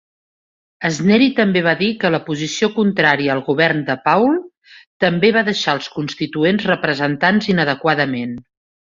Sneary també va dir que la posició contrària al govern de Paul també va deixar els constituents representats inadequadament.